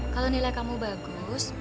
kalau nilai kamu bagus